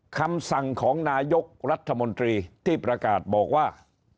คำสั่งของนายกรัฐมนตรีที่ประกาศบอกว่า